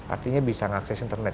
artinya bisa akses internet